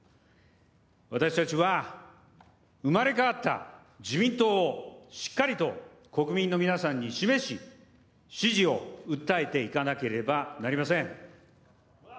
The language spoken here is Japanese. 私たちは生まれ変わった自民党をしっかりと国民の皆さんに示し、支持を訴えていかなければなりません。